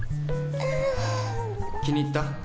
あぁ気に入った？